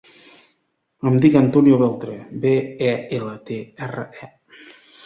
Em dic Antonio Beltre: be, e, ela, te, erra, e.